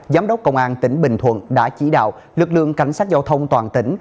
giám đốc công an tỉnh bình thuận đã chỉ đạo lực lượng cảnh sát giao thông toàn tỉnh